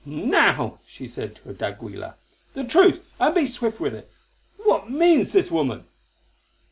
"Now," she said to d'Aguilar, "the truth, and be swift with it. What means this woman?"